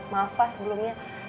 maaf pak sebelumnya